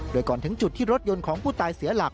โดยก่อนถึงจุดที่รถยนต์ของผู้ตายเสียหลัก